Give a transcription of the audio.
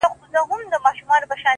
• یوه ورځ گوربت زمري ته ویل وروره,